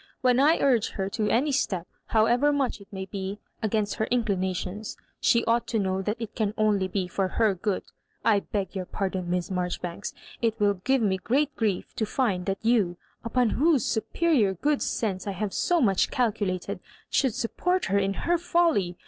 When I urge her to any step, however much it may be against her inclinations, she ought to know that it can only be for her good. I beg your pardon. Miss Marjoribanks. It will give me great grief to find that you, upon whose superior good sense I have so much calculated, • should support her in her folly.